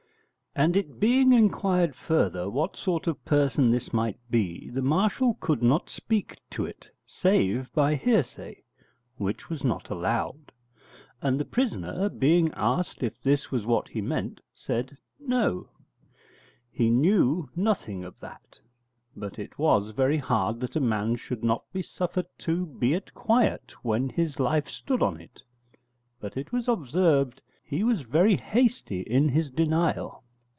And it being inquired further what sort of person this might be, the Marshal could not speak to it save by hearsay, which was not allowed. And the prisoner, being asked if this was what he meant, said no, he knew nothing of that, but it was very hard that a man should not be suffered to be at quiet when his life stood on it. But it was observed he was very hasty in his denial.